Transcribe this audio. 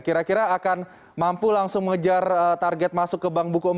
kira kira akan mampu langsung mengejar target masuk ke bank buku empat